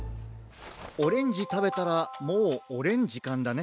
オレンジたべたらもうおれんじかんだね。